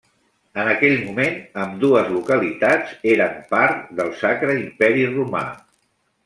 En aquell moment ambdues localitats eren part del Sacre Imperi Romà.